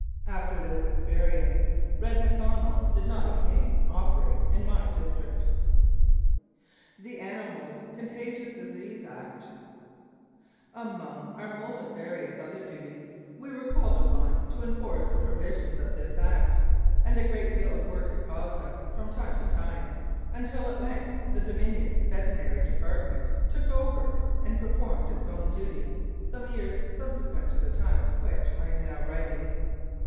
After this experience Red McConnell did not again operate in my district. THE ANIMALS CONTAGIOUS DISEASES ACT Among our multifarious other duties, we were called upon to enforce the provisions of this Act, and a great deal of work it caused us from time to time, until at length the Dominion Veterinary Department took over and performed its own duties, some years subsequent to the time of which I am now writing.